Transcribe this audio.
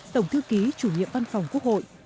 tổng thư ký chủ nhiệm văn phòng quốc hội